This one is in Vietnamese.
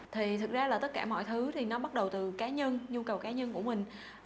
thì thực ra là tất cả mọi thứ thì nó bắt đầu từ cá nhân nhu cầu cá nhân của mình